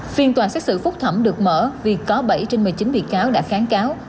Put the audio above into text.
phiên tòa xét xử phúc thẩm được mở vì có bảy trên một mươi chín bị cáo đã kháng cáo